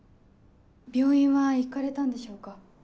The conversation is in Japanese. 病院は行かれたんでしょうか？